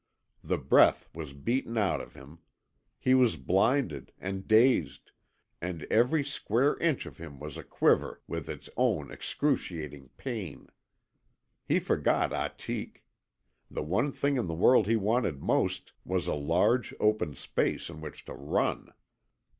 The breath was beaten out of him; he was blinded, and dazed, and every square inch of him was aquiver with its own excruciating pain. He forgot Ahtik. The one thing in the world he wanted most was a large open space in which to run.